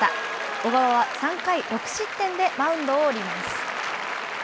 小川は３回６失点でマウンドを降ります。